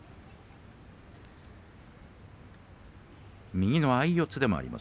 右の相四つでもあります